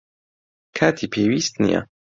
کاتی پێویست نییە.